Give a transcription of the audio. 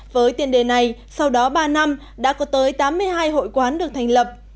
với tiền đề này sau đó ba năm đã có tới tám mươi hai hội quán được thành lập